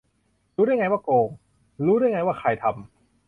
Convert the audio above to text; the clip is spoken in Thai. รู้ได้ไงว่าโกง รู้ได้ไงว่าใครทำ ?